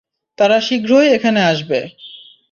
তারা শীঘ্রই এখানে আসবে।